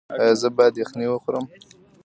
ایا زه باید یخني وخورم؟